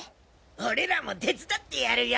俺らも手伝ってやるよ！